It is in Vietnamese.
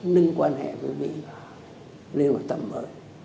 nâng quan hệ với mỹ lên một tầm mở